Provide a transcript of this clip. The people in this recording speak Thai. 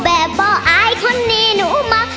แต่บ่อ้ายคนนี้หนูมัก